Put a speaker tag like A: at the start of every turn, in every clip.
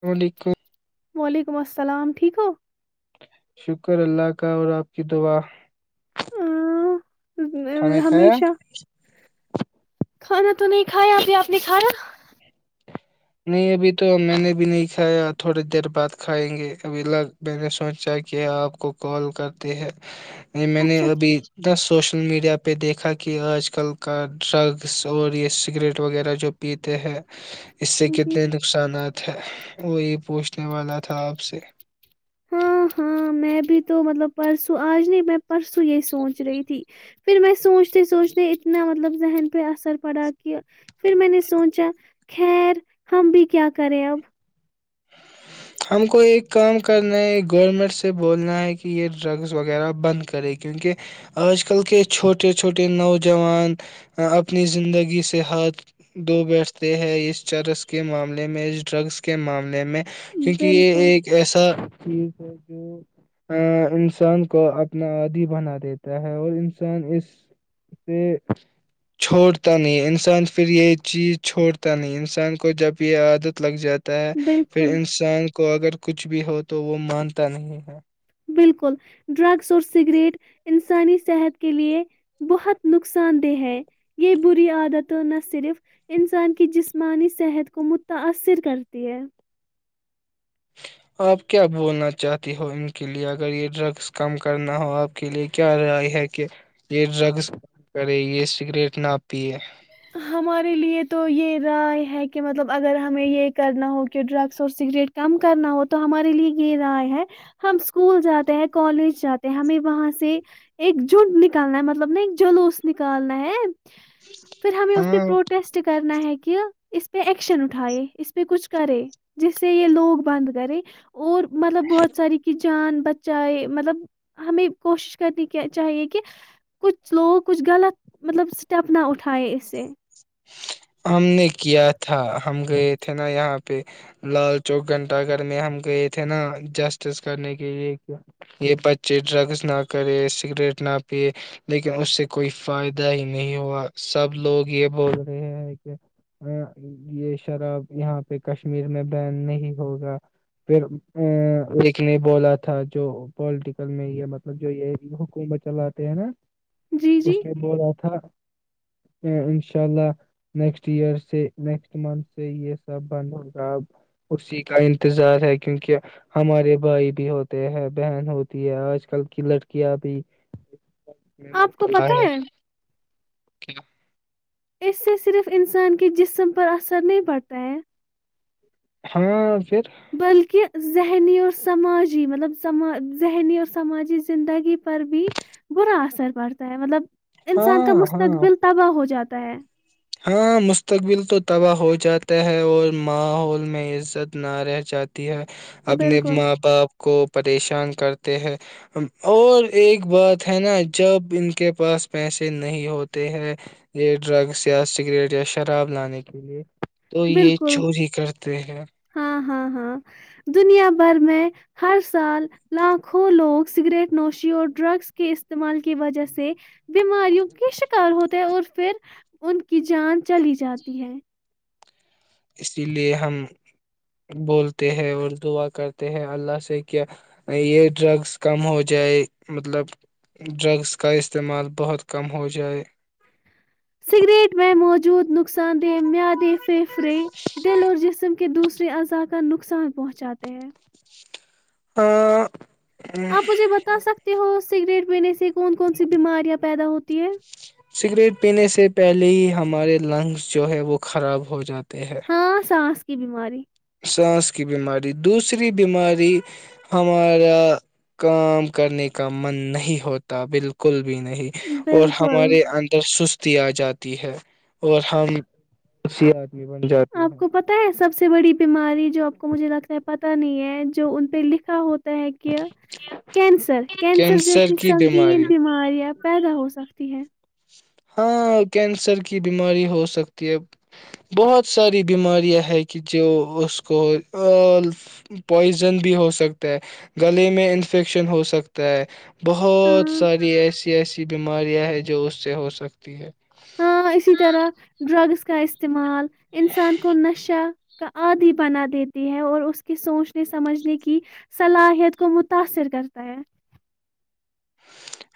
A: node کو [unintelligible]
B: وعلیکم السلام ٹھیک ہو
A: شکر اللہ کا اور آپ کی دعا کھانا
B: ا
A: کھایا
B: ہمیشہ [unintelligible] خرا [unintelligible] تو نہیں کھایا ابھی آپ نے کھایا
A: نہیں ابھی تو میں نے بھی نہیں کھایا تھوڑی دیر بعد کھائیں گے ابھی لگ میں نے سوچا کہ آپ کو کال کرتے ہے یہ میں نے
B: اچھا
A: ابھی
B: ٹھیک
A: اتنا سوشل میڈیا پہ دیکھا کہ آج کل کا ڈرگس اور یہ سگریٹ وغیرہ جو پیتے ہیں اس سے
B: جی
A: کتنے نقصانات ہے وہی پوچھنے والا تھا آپ سے
B: ہاں ہاں میں بھی تو مطلب پرسوں آج نہیں میں پرسوں یہی سوچ رہی تھی پھر میں سوچتے سوچتے اتنا مطلب ذہن پہ اثر پڑا کہ پھر میں نے سوچا خیر ہم بھی کیا کرے اب
A: ہم کو ایک کام کرنا ہے گورنمنٹ سے بولنا ہے کہ یہ ڈرگس وغیرہ بند کرے کیونکہ آج کل کے چھوٹے چھوٹے نوجوان اپنی زندگی سے ہاتھ دھو بیٹھتے ہیں اس چرس کے معاملے میں اس ڈرگس کے معاملے میں کیونکہ یہ
B: بالکل
A: ایک ایسا چیز ہے جو انسان کو اپنا آدی بنا دیتا ہے اور انسان اس سے چھوڑتا نہیں انسان پھر یہ چیز چھوڑتا نہیں انسان کو جب یہ عادت لگ جات ہے پھر
B: بالکل
A: ان [unintelligible] تو اگر کچھ بھی ہو تو وہ مانتا نہیں ہے
B: بالکل ڈرگس اور سگریٹ انسانی صحت کے لیے بہت نقصان دہ ہے یہ بری عادت نہ صرف انسان کی جسمانی صحت کو متاثر کرتی ہے
A: آپ کیا بولنا چاہتی ہو ان کے لئے اگر یہ ڈرگز کم کرنا ہو آپ کے لئے کیا رائے ہے کہ یہ ڈرگز کم کرے یہ سگریٹ نہ پیئے
B: ہمارے لیے تو یہ رائے ہے کہ مطلب اگر ہمیں یہ کرنا ہو کہ ڈرگس اور سگریٹ کم کرنا ہو تو ہمارے لیے یہ رائے ہے ہم اسکول جاتے ہیں کالج جاتے ہیں ہمیں وہاں سے ایک جٹ نکالنا ہے مطلب نا ایک جلوس نکالنا ہے پھر ہمیں اس پہ
A: ہاں
B: پروٹیسٹ کرنا ہے کہ اس پہ ایکشن اٹھائے اس پہ کچھ کرے جس سے یہ لوگ بند کرے اور مطلب بہت ساری چیزیں جان بچائے مطلب ہمیں کوشش کرنی کے چاہیے کہ کچھ لوگوں کچھ غلط مطلب اسٹیپ نہ اٹھا ھائے ایسے
A: ہم نے کیا تھا ہم گئے تھے نا یہاں پہ لال چوک گھنٹہ گھر میں ہم گئے تھے نا جسٹس کرنے کے لیے کہ یہ بچے ڈرگس نہ کرے سگریٹ نہ پیئے لیکن اس سے کوئی فائدہ ہی نہیں ہوا سب لوگ یہ بول رہے ہیں یہ شراب یہاں پہ کشمیر میں بین نہیں ہوگا پھر ا ایک نے بولا تھا جو پالٹیکل میں یہ مطلب جو یہ حکومت چلاتے ہیں نا
B: جی جی
A: اس نے بولا تھا ہ انشاء اللہ نیکسٹ ایئر سے نیکسٹ منتھ سے یہ سب بند ہوگا ا اسی کا انتظار ہے کیونکہ ہمارے بھائی بھی ہوتے ہیں بہن ہوتی ہے آج کل کی لڑکیاں بھی م م اپ ہے
B: کو پتہ ہے
A: [unintelligible] [inaudible] ٹھیک ہے [unintelligible]
B: اس سے صرف انسان کے جسم پر اثر نہیں پڑتا ہے
A: ہاں پھر
B: بلکہ ذہنی اور سماجی مطلب سما ذہنی اور سماجی زندگی پر بھی برا اثر پڑتا ہے مطلب انسان کا
A: ہاں ہاں
B: مستقبل تباہ ہو جاتا تا ہے
A: ہاں مستقبل تو تباہ ہو جاتا ہے اور ماحول میں عزت نہ رہ جاتی ہے اپنے
B: بالکل
A: ماں باپ کو پریشان کرتے ہے اور ایک بات ہے نا جب ان کے پاس پیسے نہیں ہوتے ہے یہ ڈرگس پیا سگریٹ یا شراب لانے کے لیے تو یہ
B: بالکل
A: چوری کرتے ہیں
B: ہاں ہاں ہاں دنیا بھر میں ہر سال لاکھوں لوگ سگریٹ نوشی اور ڈرگس کے استعمال کی وجہ سے بیماریوں کے شکار ہوتے ہیں اور پھر ان کی جان چلی جاتی ہے
A: اسی لیے ہم بولتے ہیں اور دعا کرتے ہیں اللہ سے کیا یہ ڈرگس کم ہو جائے مطلب ڈرگس کا استعمال بہت کم ہو جائے
B: سگریٹ میں موجود ن نقصان دہ میادیں پھیفڑے دل اور جسم کے دوسے اضا کا نق نقصان پہنچاتے ہیں
A: [inaudible]
B: آپ مجھے بتا سکتے ہو سگریٹ پہننے سے کون کون سی بیماریاں پیدا ہوتی [inaudible]
A: سگریٹ پینے سے پہلے ہی ہمارے لنگس جو ہے وہ خراب ہو جاتے ہیں
B: ہاں سانس کی بیماری
A: سانس کی بیماری دوسری بیماری ہمارا کام کرنے کا من نہیں ہوتا بالکل بھی نہیں اور
B: بالکل
A: ہمارے اندر سست آ جاتی ہے اور ہم اس
B: آپ کو پتا ہے سب سے بڑی بیماری جو آ کو مجھے لگتا ہے پ تا نہیں ہے جو ان پہ لکھا ہوتا ت کہہ کیینسر کیینسر
A: کینسر
B: جیس
A: کی
B: سنگین
A: بیماری
B: بیماریاں پیدا ہو سکتا ہیں ہے
A: ہاں کینسر کی بیماری ہو سکتی ہے بہت ساری بیماریاں ہے کہ جو اس کو پوائزن بھی ہو سکتا ہے گلے میں انفیکشن ہو سکتا ہے بہت
B: ہاں
A: ساری ایسی ایسی بیماریاں ہیں جو اس سے ہو سکتی رکھتی ہے
B: ہاں اسی طرح ڈرگس کا استعمال انسان کو نشہ کا عادی بنا دیتی ہے اور اس کی سوچنے سمجھنے کی صلاحیت کو متاثر کرتا ہے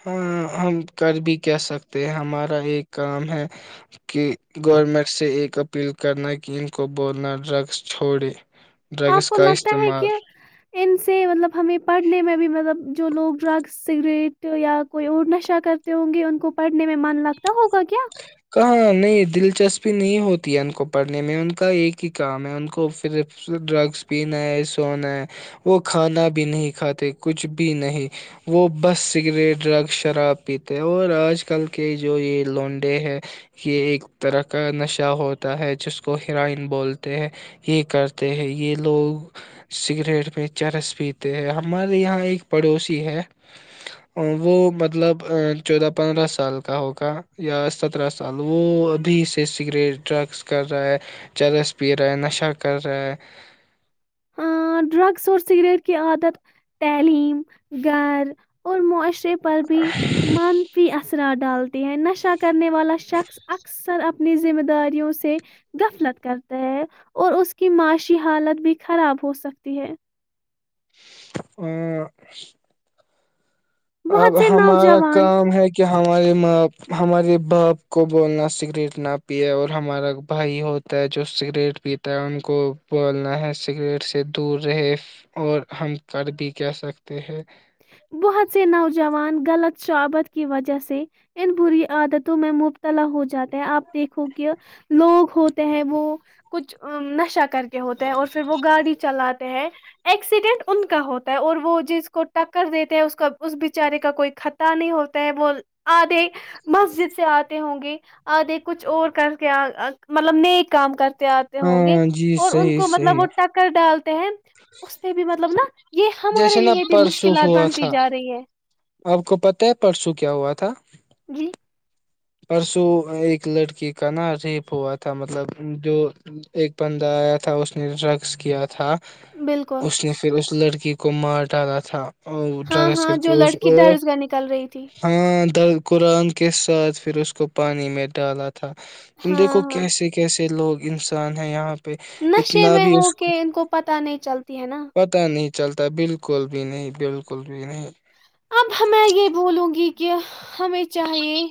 A: ہاں ہم کر بھی کہ سکتے ہیں ہمارا ایک کام ہے کہ گورنمنٹ سے ایک اپیل کرنا کہ ان کو بولنا ڈرگس چھوڑے
B: آپ
A: ڈرگس
B: کو
A: کا
B: لگتا ہے
A: استعمال
B: کہ ان سے مطلب ہمیں پڑھنے میں بھی مطلب جو لوگ ڈرگ سگریٹ یا کوئی اور نشہ کرتے ہوں گے ان کو پڑھنے میں من لگتا ہوگا کیا
A: کہاں نہیں دلچسپی نہیں ہوتی ہے ان کو پڑھنے میں ان کا ایک ہی کام ہے ان کو پھرف ڈرگس پینا ہے سونا ہے وہ کھانا بھی نہیں کھاتے کچھ بھی نہیں وہ بس سگریٹ ڈرگس شراب پیتے اور آج کل کے جو یہ لونڈے ہے یہ ایک طرح کا نشہ ہوتا ہے جس کو حرائن بولتے ہے یہ کرتے ہیں یہ لوگ سگریٹ میں چرس پیتے ہیں ہمارے یہاں ایک پڑوسی ہے وہ مطلب چودہ پندرہ سال کا ہوگا یا سترہ سال وہ ابھی سے سگریٹ ڈرگس کر رہا ہے چرس پی رہا نشہ کر رہا ہے
B: ہ ڈرگس اور سگریٹ کی عادت تعلیم گھر اور معاشر پر بھی من پ ا ڈالتی ہیں نشا کرنے والا شخص اکثر اپنی ذمہ داریوں سے غفلت کرتا ہے اور اس کی معاشی حالت بھی خراب ہو سکتی ہے
A: [inaudible] [unintelligible] اب
B: بہت سے
A: ہمارا
B: نوجوان
A: کام ہے کہ کہ ہمارے ماںپ ہمارے باپ کو بولنا سگریٹ نہ پیے اور ہمارا بھائی ہوتا ہے جو سگریٹ پیتا ہے ان کو بولنا ہے سگریٹ سے دور رہے اور ہم کر بھی کہہ سکتے ہیں
B: بہت سے نوجوان غلط شعابت کی وجہ سے ان بری عادتوں میں مبتلا ہو جاتے آپ دیکھو کہ لوگ ہوتے ہیں وہ کچھ نشہ کر کے ہوتے ہیں اور پھر وہ گاڑی چلاتے ہیں ایکسیڈینٹ ان کا ہوتا ہے اور وہ جس کو ٹکر دیتے ہیں اس کا اس بچارے کا کوئی خطرہ نہیں ہوتا ہے وہ آدے مسجد سے آتے ہوں گے آدھے کچھ اور کر کے مطلب نئے کام کر آتے ہوں گے
A: ہاں جی
B: اور ان
A: صحیح
B: کو مطلب
A: صحیح
B: وہ ٹکر ڈالتے ہیں اس پہ بھی مطلب نا یہ ہمارے
A: جیسے نا
B: لیے بھی مشکل
A: پرسوں ہوا تھا آپ کو پتا ہے پرسو کیا ہوا ک تھاا
B: جی
A: پرسوں ایک لڑکی کا نا ریپ ہوا تھا مطلب جو ایک بندہ آیا تھا اس نے ڈرگس کیا تھا
B: بالکل
A: اس نے پھر اس لڑکی کو مارٹ آا تھا ا
B: ہاں
A: ڈرگس
B: ہاں
A: کر کے
B: جو لڑکی درس گاہ نکل رہی تھی
A: ہاں در قرآن کے ساتھ پھر اس کو پانی میں ڈالا تھا تھا تم
B: ہاں
A: دیکھو
B: ہاں
A: کیسے کیسے لوگ ج [unintelligible] سھان ہے یہاں [unintelligible]
B: نشے
A: اتنا
B: میں
A: بھی
B: ہو
A: اس
B: کے ان کو پتہ نہیں چلتی ہے نا
A: پتہ نہیں چلتا ہے بالکل بھی نہیں بالکل بھی نہیں
B: اب میں یہ بولوں گی کہ ہمیں چاہیے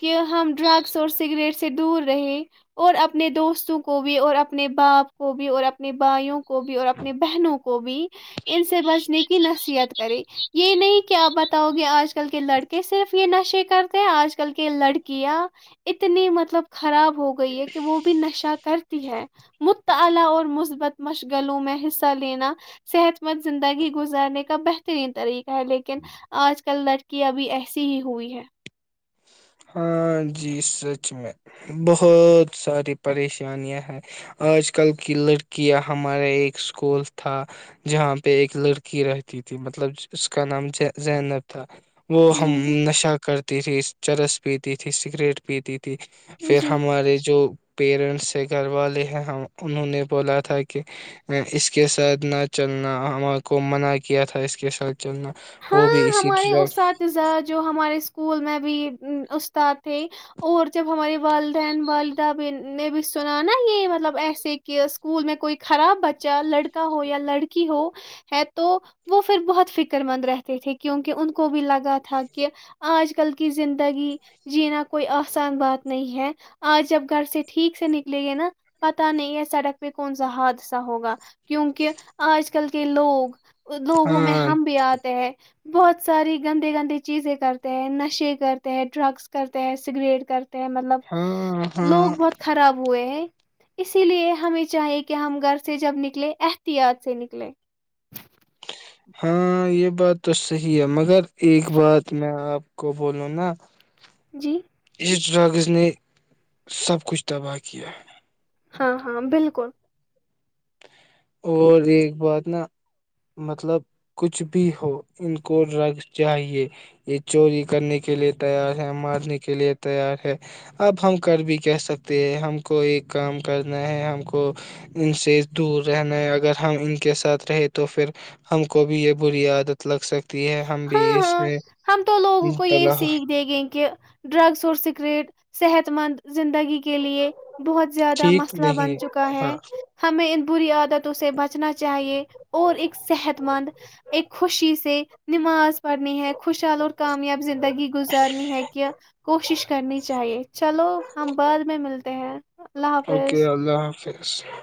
B: کہ ہم ڈرگس اور سگریٹ سے دور رہے اور اپنے دوستوں کو بھی اور اپنے باپ کو بھی اور اپنے بھائیوں کو کو بھی اور اپنی بہنوں کو بھی ان سے بچنے کی نصیحت کرے یہ نہیں کہ آپ بتؤ گے آج کل کے لڑکے صرف یہ نشے کرتے آج کل کے لڑکیاں اتنی مطلب خراب ہو گئی ہے کہ وہ بھی نشہ تو کرتی ہے مطالعہ اور مثبت مشغلوں میں حصہ لینا صحت مند زندگی گزارنے کا بہترین طریقہ لیکن آج کل لڑکی ابھی ایسی ہی ہوئی ہے
A: ہاں جی سچ میں بہت ساری پریشانیاں ہیں آج کل کی لڑکیاں ہمارا ایک اسکول تھا جہاں پہ ایک لڑکی رہتی تھی مطلب اس کا نام زینب تھا وہ
B: جی
A: ہم نشہ کرتی تھی اس چرس پیتی تیں سگریٹ پیتی تھی پھر
B: جی
A: ہمارے جو [unintelligible] پیرنٹس سے گھر والے ہیں ہم انہوں نے بولا تھا کہ اس کے ساتھ نہ چلنا ہمار کو منع کیا تھا اس کے ساتھ چلنا وہ
B: ہاں
A: بھی اسی
B: ہمارے
A: ڈرگ
B: اساتذہ جو ہمارے اسکول میں بھی استاد تھے اور جب ہمارے والدین والدہ بھی نے بھی سنا نا یہ مطلب ایسے کہ اسکول میں کوئی خراب بچہ لڑکا ہو یا لڑکی ہو ہے تو وہ پھر بہت فکر مند رہ تے تھے کیونکہ ان کو بھی لگا تھا کہ آج کل کی زندگی جینا کوئی آسان بات نہیں ہے آج جب گھر سے ٹھیک سے نکلیں گے نا پتا نہیں ہے سڑک پہ کون سا حادثہ ہوگا کیونک آج کل کے لوگ لوگوں میں
A: ہاں
B: ہم بھی آتے ہیں بہت ساری گندے گندی چیزیں کرتے ہیں نشے کرتے ہیں ڈرگس کرتے ہیں سگریٹ کرتے مطلب
A: ہاں ہاں
B: لوگ بہت خراب ہوئے ہیں اسی لیے ہمیں چاہیے کہ ہم گھر سے جب نکلے احتیاط سے نکلیں
A: ہاں یہ بات تو صحی ہے مگر ایک بات میں آپ کو بولوں نا
B: جی [unintelligible]
A: ج ڈرگز نے سب کچھ تباہ کیا ہے
B: ہاں ہاں بالکل
A: اور ایک بات نا مطلب کچھ بھی ہو ان کو رگ چاہیے یہ چوری کرنے کے لیے تیار ہے مارنے کے لیے تیار ہے اب ہم کر بھی کہ سکتے ہیں ہم کو ایک کام کرنا ہے ہم کو ان سے دور رہنا ہے اگر ہم ان کے ساتھ رہے تو پھر ہم کو بھی یہ بری عادت لگ سک ہے ہم بھی
B: ہاں
A: اس
B: ہاں
A: میں
B: ہم تو لوگوں کو یہ
A: م
B: سیکھ
A: [unintelligible]
B: دے گے کہ ڈرگس اور سکریٹ صحت مند زندگی کے لیے بہت زیادہ
A: ٹھیک
B: مسئلہ
A: نہیں
B: بن چکا
A: ہاں
B: ہے ہمیں ان بری عادتوں سے بچنا چاہیے اور ایک صحت مند ایک خوشی سے نماز پڑن ہےیک [unintelligible] خوشحال اور کامیاب زندگی گزارنی ہے کہ کوشش کرنی چاہیے چلو ہم بعد میں ملتے ہیں اللہ
A: اوکے
B: حافظ
A: اللہ حافظ اسس [unintelligible]